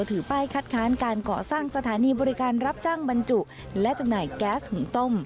ถือป้ายคัดค้านการก่อสร้างสถานีบริการรับจ้างบรรจุและจำหน่ายแก๊สหุงต้ม